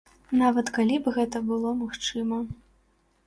Нават калі б гэта было магчыма.